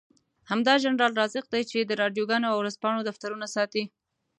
همدا جنرال رازق دی چې د راډيوګانو او ورځپاڼو دفترونه ساتي.